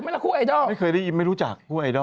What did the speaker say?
ไม่เคยได้ยิ้มไม่รู้จัก